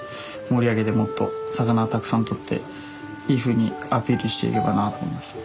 盛り上げてもっと魚たくさん取っていいふうにアピールしていけばなと思います。